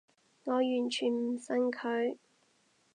我完全唔信佢